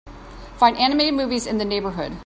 Find animated movies in the neighborhood.